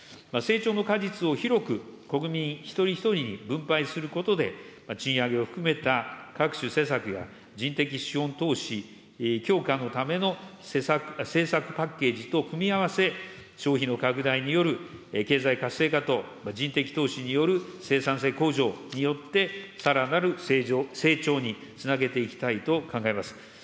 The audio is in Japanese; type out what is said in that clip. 成長の果実を広く、国民一人一人に分配することで、賃上げを含めた各種施策や人的基本投資、強化のための政策パッケージと組み合わせ、消費の拡大による経済活性化と人的投資による生産性向上によって、さらなる成長につなげていきたいと考えます。